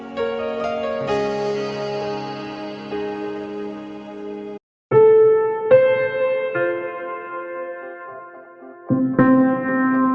พี่แหลมนี่อันจะมาแสนของเกรก